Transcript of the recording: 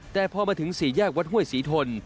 แต่พอมาถึงสี่แยกวัดห้วยศรีทน